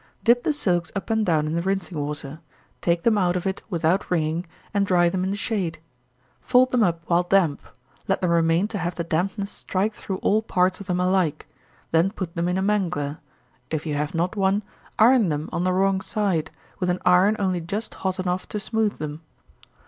Dip the silks up and down in the rinsing water: take them out of it without wringing, and dry them in the shade. Fold them up while damp: let them remain to have the dampness strike through all parts of them alike, then put them in a mangler if you have not one, iron them on the wrong side, with an iron only just hot enough to smooth them.